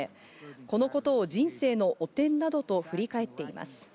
このことを人生の汚点などと振り返っています。